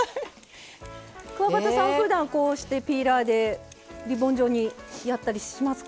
くわばたさん、ふだんピーラーでリボン状にやったりしますか？